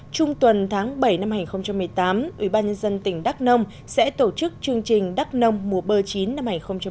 trung tuần tháng bảy năm hai nghìn một mươi tám ubnd tỉnh đắk nông sẽ tổ chức chương trình đắk nông mùa bơ chín năm hai nghìn một mươi chín